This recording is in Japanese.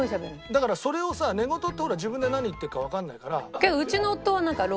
だからそれをさ寝言ってほら自分で何言ってるかわからないから。